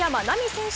選手